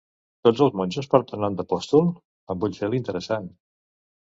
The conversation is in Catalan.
Tots els monjos porten nom d'apòstol? —em vull fer la interessant.